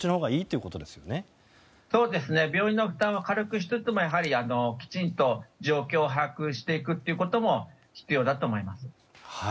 そうですね、病院の負担は軽くしつつも、やはりきちんと状況を把握していくということも必要だと思います。